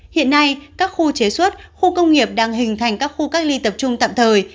hiện nay các khu chế xuất khu công nghiệp đang hình thành các khu cách ly tập trung tạm thời